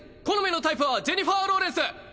好みのタイプはジェニファー・ローレンス。